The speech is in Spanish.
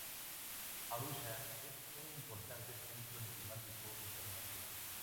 Arusha es un importante centro diplomático internacional.